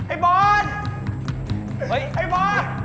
ไอ้บอสไอ้บอส